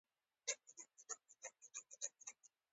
غوږونه د زړه درزا اوري